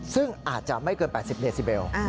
ซึ่งอาจจะไม่เกิน๘๐เดซิเบล